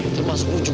cuma semuanya juga